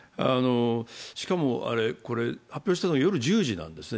しかも、これ、発表したのは中国時間の夜１０時なんですね。